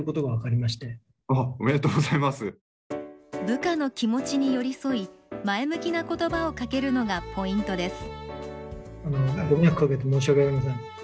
部下の気持ちに寄り添い前向きな言葉をかけるのがポイントです。